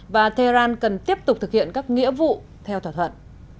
và tehran cần tiếp tục thực hiện các nghĩa vụ theo thỏa thuận